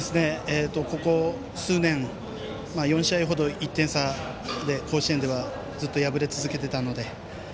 ここ数年、４試合ほど１点差で甲子園では、ずっと敗れ続けていたので。